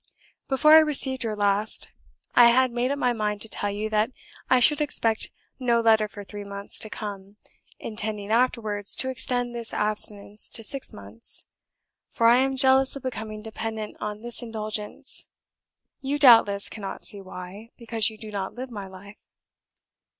"Before I received your last, I had made up my mind to tell you that I should expect no letter for three months to come (intending afterwards to extend this abstinence to six months, for I am jealous of becoming dependent on this indulgence: you doubtless cannot see why, because you do not live my life).